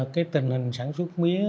cái tình hình sản xuất mía